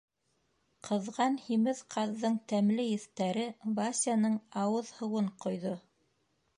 Ҡыҙған һимеҙ ҡаҙҙың тәмле еҫтәре Васяның ауыҙ һыуын ҡойҙо.